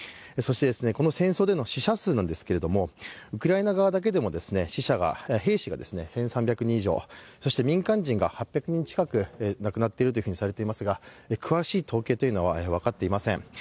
そして、この戦争での死者数なんですけれどもウクライナ側だけでも兵士が１３００人以上そして民間人が８００人近く亡くなっているとされていますが詳しい統計というのは分かっていません。